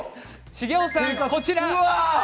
茂雄さんはこちら。